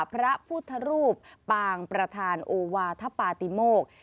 พระพุทธรูปปางประธานโอวาทปาติโมก